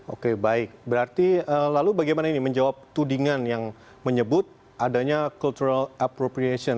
oke baik berarti lalu bagaimana ini menjawab tudingan yang menyebut adanya cultural appropreation